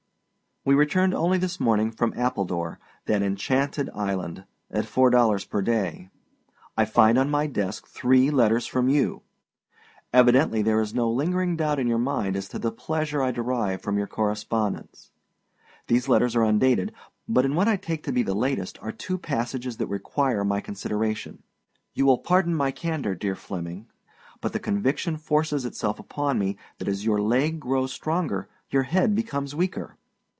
We returned only this morning from Appledore, that enchanted island at four dollars per day. I find on my desk three letters from you! Evidently there is no lingering doubt in your mind as to the pleasure I derive from your correspondence. These letters are undated, but in what I take to be the latest are two passages that require my consideration. You will pardon my candor, dear Flemming, but the conviction forces itself upon me that as your leg grows stronger your head becomes weaker.